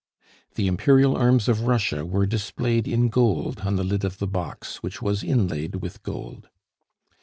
The Imperial arms of Russia were displayed in gold on the lid of the box, which was inlaid with gold.